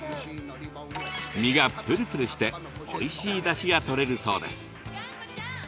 身がプルプルしておいしいだしが取れるそうです。